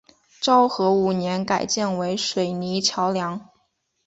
昭和五年改建为水泥桥梁。